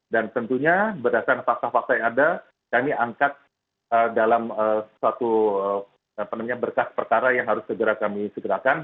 dan tentunya berdasarkan fakta fakta yang ada kami angkat dalam suatu berkas perkara yang harus segera kami segerakan